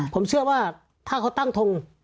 ผมเชื่อว่าถ้าเขาตั้งทง